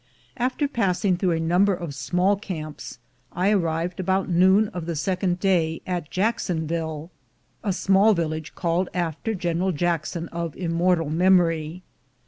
After passing through a number of small camps, I arrived about noon of the second day at Jacksonville, a small village called after General Jackson, of immortal memory.